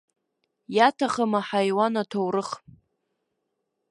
Иаҭахым аҳаиуан аҭоурых!